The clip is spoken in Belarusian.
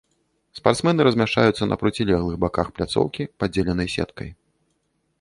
Спартсмены размяшчаюцца на процілеглых баках пляцоўкі, падзеленай сеткай.